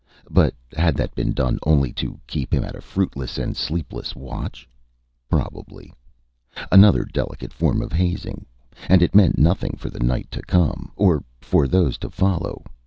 But had that been done only to keep him at a fruitless and sleepless watch? Probably. Another delicate form of hazing. And it meant nothing for the night to come or for those to follow.